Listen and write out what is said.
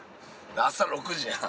朝６時やん。